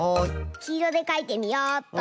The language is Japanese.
きいろでかいてみよっと。